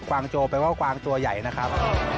วางโจแปลว่ากวางตัวใหญ่นะครับ